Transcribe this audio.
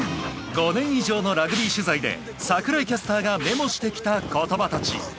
５年以上のラグビー取材で櫻井キャスターがメモしてきた言葉たち。